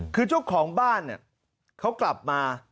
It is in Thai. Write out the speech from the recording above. คือช่วงของบ้านเขากลับมา